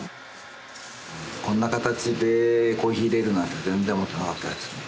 こんな形でコーヒーいれるなんて全然思ってなかったですね。